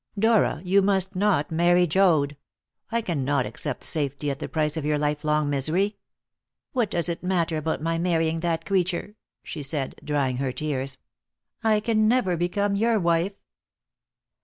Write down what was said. "Dora, you must not marry Joad. I cannot accept safety at the price of your lifelong misery." "What does it matter about my marrying that creature?" she said, drying her tears. "I can never become your wife."